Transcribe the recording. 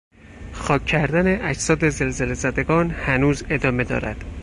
خاک کردن اجساد زلزلهزدگان هنوز ادامه دارد.